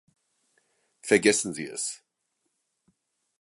Vergessen Sie es.